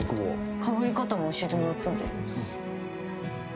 かぶり方も教えてもらったんで。